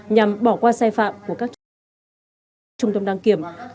nhằm bỏ qua sai phạm của các chủ trung tâm đăng kiểm